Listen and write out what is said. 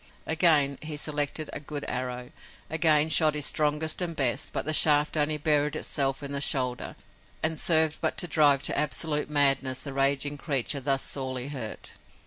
Again he selected a good arrow, again shot his strongest and best, but the shaft only buried itself in the shoulder and served but to drive to absolute madness the raging creature thus sorely hurt.